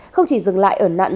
không chỉ dừng lại ở nạn